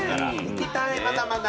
行きたいまだまだ。